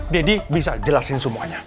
daddy bisa jelasin semuanya